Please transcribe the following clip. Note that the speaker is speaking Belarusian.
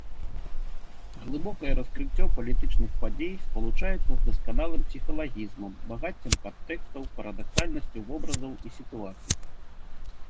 Глыбокае раскрыццё палітычных падзей спалучаецца з дасканалым псіхалагізмам, багаццем падтэкстаў, парадаксальнасцю вобразаў і сітуацый.